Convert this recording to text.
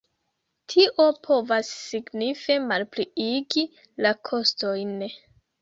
Tio povas signife malpliigi la kostojn.